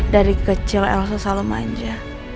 dari kecil elsa selalu manja